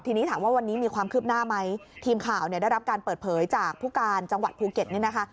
ทีนี้ถามว่าวันนี้มีความคืบหน้าไหมทีมข่าวเนี่ยได้รับการเปิดเผยจากผู้การจังหวัดภูเก็ตนี่นะคะ